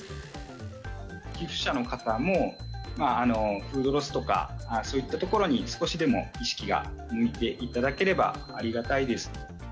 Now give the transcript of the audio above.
寄付者の方もフードロスとか、そういったところに少しでも意識が向いていただければありがたいです。